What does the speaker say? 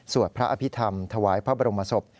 พระอภิษฐรรมถวายพระบรมศพ